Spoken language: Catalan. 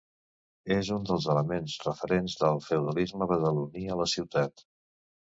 És un dels elements referents del feudalisme badaloní a la ciutat.